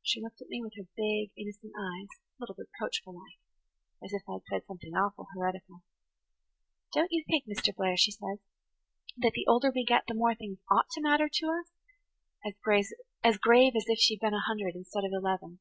She looked at me with her big, innocent eyes, a little reproachful like, as if I'd said something awful heretical. 'Don't you think, Mr. Blair,' she says, 'that the older we get the more things ought to matter to us?'–as grave as if she'd been a hundred instead of eleven.